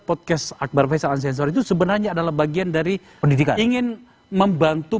podcast akbar faisal azezor itu sebenarnya adalah bagian dari pendidikan ingin membantu